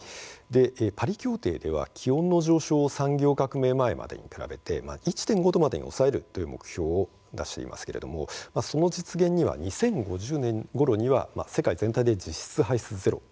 パリ協定では気温の上昇を産業革命前までに比べて１．５度までに抑えるという目標を出していますがその実現には２０５０年ごろには実質排出量をゼロに。